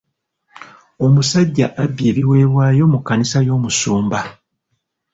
Omusajja abbye ebiweebwayo mu kkanisa y'omusumba.